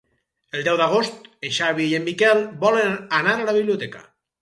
El deu d'agost en Xavi i en Miquel volen anar a la biblioteca.